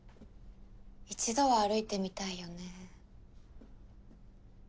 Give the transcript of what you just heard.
一度は歩いてみたいよね。